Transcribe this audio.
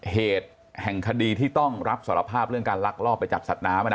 เหตุแห่งคดีที่ต้องรับสารภาพเรื่องการลักลอบไปจับสัตว์น้ำ